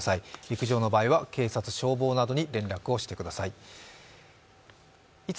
陸上の場合は警察、消防などに連絡をしてください。